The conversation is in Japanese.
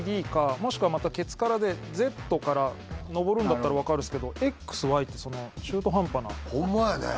もしくはまたケツからでＺからのぼるんだったら分かるっすけどＸＹって中途半端なホンマやね